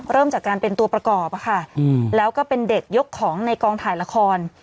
เริ่มจากการเป็นตัวประกอบค่ะแล้วก็เป็นเด็กยกของในกองถ่ายละคร